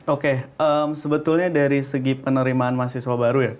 oke sebetulnya dari segi penerimaan mahasiswa baru ya